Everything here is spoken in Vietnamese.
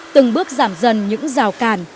từng bước giảm dần những rào cản